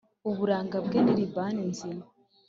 Uburanga bwe ni Libani nzima,